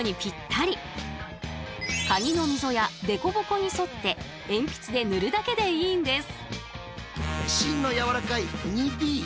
カギの溝や凸凹に沿って鉛筆で塗るだけでいいんです。